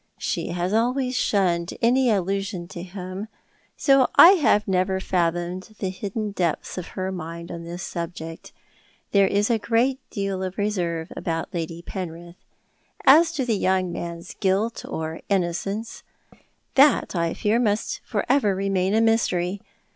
She has always shunned any allusion to him ; so I have never fathomed the hidden depths of her mind upon this subject. There is a great deal of reserve about Lady Penrith. As to the young man's guilt or innocence, that I fear must for ever remain a mystery.